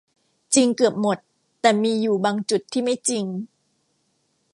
จริงเกือบหมดแต่มีอยู่บางจุดที่ไม่จริง